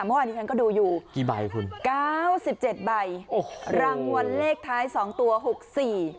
เมื่อวานนี้ฉันก็ดูอยู่กี่ใบคุณเก้าสิบเจ็ดใบโอ้โหรางวัลเลขท้ายสองตัวหกสี่